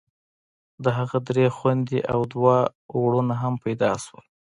د هغه درې خويندې او دوه ورونه هم پيدا سول.